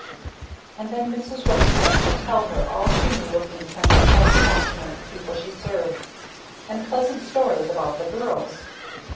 And then Mrs. Weatherstone would tell her all she knew of the intense satisfaction of the people she served, and pleasant stories about the girls.